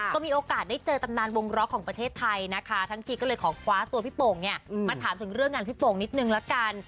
ก็มีโอกาสได้เจอตำนานวงล็อกของประเทศไทยนะคะทั้งทีก็เลยขอคว้าตัวพี่โป่งเนี่ยมาถามถึงเรื่องงานพี่โป่งนิดนึงละกัน